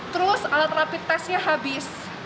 terus alat rapid testnya habis